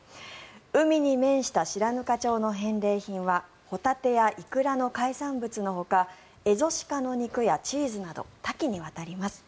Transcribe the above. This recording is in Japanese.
海に面した白糠町の返礼品はホタテやイクラの海産物のほかエゾシカの肉やチーズなど多岐にわたります。